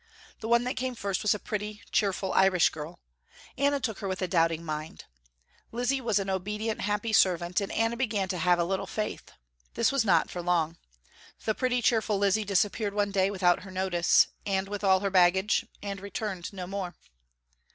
The one that came first was a pretty, cheerful irish girl. Anna took her with a doubting mind. Lizzie was an obedient, happy servant, and Anna began to have a little faith. This was not for long. The pretty, cheerful Lizzie disappeared one day without her notice and with all her baggage and returned no more.